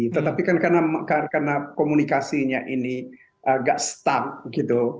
tetapi kan karena komunikasinya ini agak stuck gitu